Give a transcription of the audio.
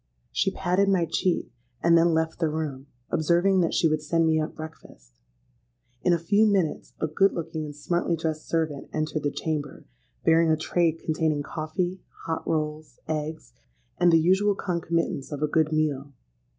She patted my cheek, and then left the room, observing that she would send me up breakfast. In a few minutes a good looking and smartly dressed servant entered the chamber, bearing a tray containing coffee, hot rolls, eggs, and the usual concomitants of a good meal.